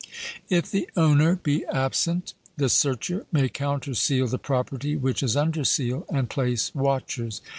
If the owner be absent, the searcher may counter seal the property which is under seal, and place watchers.